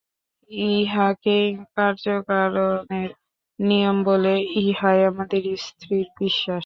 ইহাকেই কার্যকারণের নিয়ম বলে, ইহাই আমাদের স্থির বিশ্বাস।